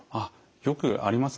よくあります。